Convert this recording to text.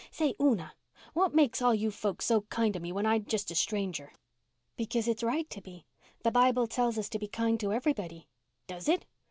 Say, Una, what makes all you folks so kind to me when I'm just a stranger?" "Because it's right to be. The bible tells us to be kind to everybody." "Does it?